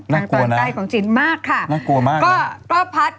น่ากลัวนะน่ากลัวมากค่ะ